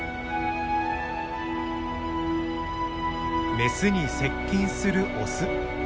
メスに接近するオス。